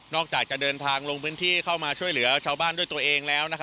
จะเดินทางลงพื้นที่เข้ามาช่วยเหลือชาวบ้านด้วยตัวเองแล้ว